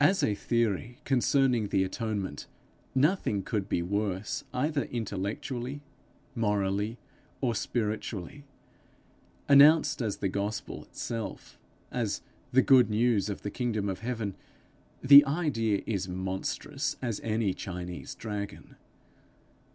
As a theory concerning the atonement nothing could be worse, either intellectually, morally, or spiritually; announced as the gospel itself, as the good news of the kingdom of heaven, the idea is monstrous as any Chinese dragon.